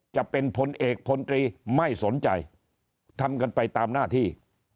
จะเป็นพลเอกพลตรีไม่สนใจทำกันไปตามหน้าที่